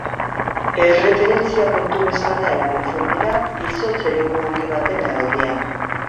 Erreferentzia puntu bezala erabiltzen dira izotz eremu handi baten erdian.